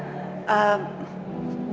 boleh saya mewakilkan